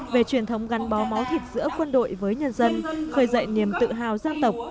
về truyền thống gắn bó máu thịt giữa quân đội với nhân dân khơi dậy niềm tự hào dân tộc